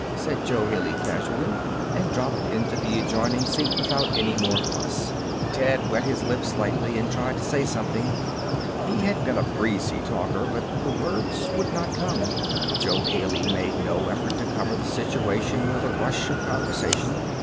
said Jo Haley, casually. And dropped into the adjoining seat without any more fuss. Ted wet his lips slightly and tried to say something. He had been a breezy talker. But the words would not come. Jo Haley made no effort to cover the situation with a rush of conversation.